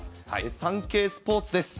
サンケイスポーツです。